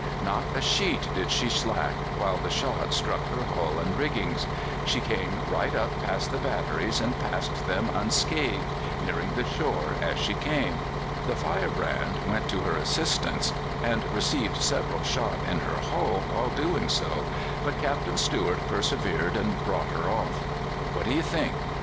Not a sheet did she slack, while the shot struck her hull and rigging. She came right past the batteries, and passed them unscathed, nearing the shore as she came. The Firebrand went to her assistance, and received several shot in her hull while doing so, but Captain Stuart persevered and brought her off. What do you think?